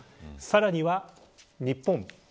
さらには、日本。